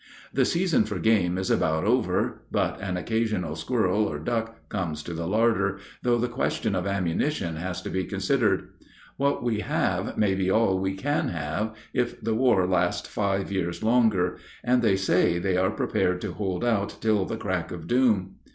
The season for game is about over, but an occasional squirrel or duck comes to the larder, though the question of ammunition has to be considered. What we have may be all we can have, if the war lasts five years longer; and they say they are prepared to hold out till the crack of doom.